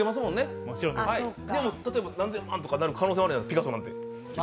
でも、例えば何千万とかなる可能性あるじゃないですかピカソなんて。